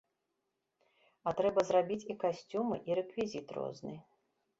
А трэба зрабіць і касцюмы, і рэквізіт розны.